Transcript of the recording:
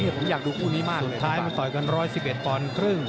สุดท้ายมันต่อยกันร้อย๑๑ตอนครึ่ง